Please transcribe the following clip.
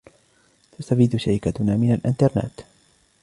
تستفيد شركتنا من الإنترنت.